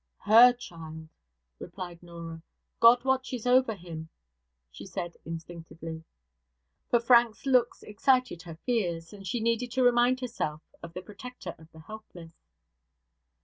'Her child,' replied Norah. 'God watches over him,' she said instinctively; for Frank's looks excited her fears, and she needed to remind herself of the Protector of the helpless.